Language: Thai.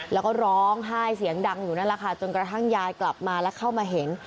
แล้วก็ร้องไห้เสียงดังอยู่นั่นแหละค่ะจนกระทั่งยายกลับมาแล้วเข้ามาเห็น